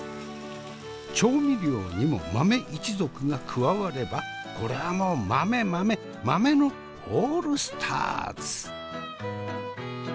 調味料にも豆一族が加わればこれはもう豆豆豆のオールスターズ。